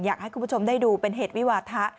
อยากให้คุณผู้ชมได้ดูเป็นเหตุวิวาทะ